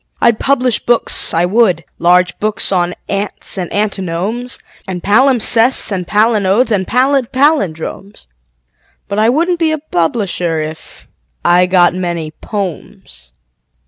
I'd publish books, I would large books on ants and antinomes And palimpsests and palinodes and pallid pallindromes: But I wouldn't be a publisher if .... I got many "pomes."